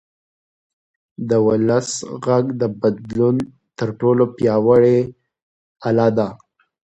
د ولس غږ د بدلون تر ټولو پیاوړی اله ده